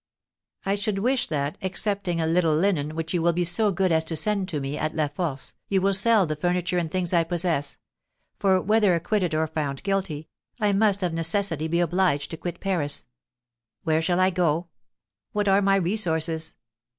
I should wish that, excepting a little linen which you will be so good as send to me at La Force, you would sell the furniture and things I possess; for, whether acquitted or found guilty, I must of necessity be obliged to quit Paris. Where shall I go? What are my resources?